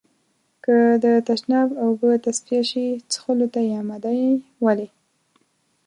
که د تشناب اوبه تصفيه شي، څښلو ته يې آماده يئ؟ ولې؟